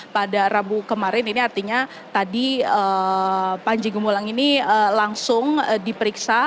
pada rabu kemarin ini artinya tadi panji gumilang ini langsung diperiksa